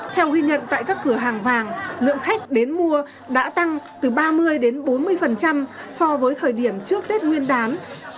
theo ghi nhận tại các cửa hàng vàng lượng khách đến mua đã tăng từ ba mươi đến bốn mươi so với thời điểm trước tết nguyên đán